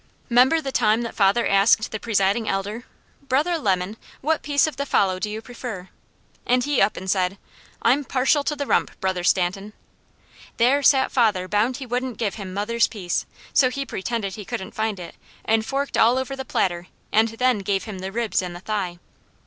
"'Member the time that father asked the Presiding Elder, 'Brother Lemon, what piece of the fowl do you prefer?' and he up and said: 'I'm partial to the rump, Brother Stanton.' There sat father bound he wouldn't give him mother's piece, so he pretended he couldn't find it, and forked all over the platter and then gave him the ribs and the thigh.